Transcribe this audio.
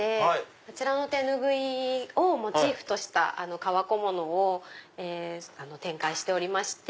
こちらの手拭いをモチーフとした革小物を展開しておりまして。